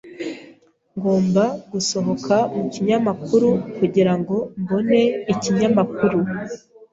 Ngomba gusohoka mukinyamakuru kugirango mbone ikinyamakuru.